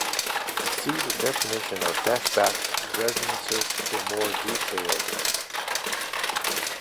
See the definition of Feshbach resonances for more details.